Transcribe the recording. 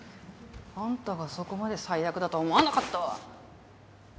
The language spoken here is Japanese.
あんたがそこまで最悪だとは思わなかったわ！